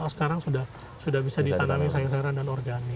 sekarang sudah bisa ditanami sayur sayuran dan organik